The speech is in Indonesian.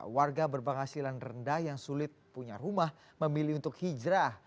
warga berpenghasilan rendah yang sulit punya rumah memilih untuk hijrah